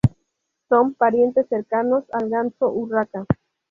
Son parientes cercanos al ganso urraca.